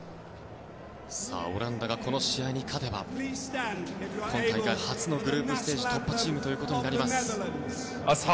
オランダがこの試合に勝てば今大会初のグループステージ突破チームとなります。